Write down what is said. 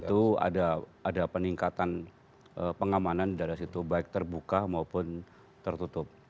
tentu ada peningkatan pengamanan di daerah situ baik terbuka maupun tertutup